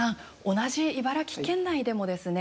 同じ茨城県内でもですね